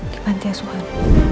di pantai asuhan